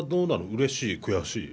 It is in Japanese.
うれしい？悔しい？